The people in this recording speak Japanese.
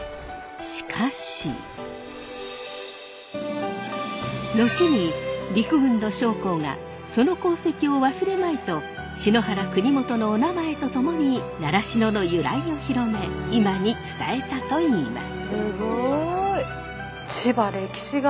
しかし。後に陸軍の将校がその功績を忘れまいと篠原国幹のおなまえとともに習志野の由来を広め今に伝えたといいます。